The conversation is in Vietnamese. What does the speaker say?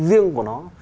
riêng của nó